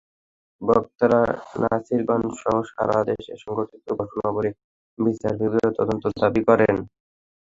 বক্তারা নাসিরনগরসহ সারা দেশে সংঘটিত ঘটনাবলির বিচার বিভাগীয় তদন্ত দাবি করেন।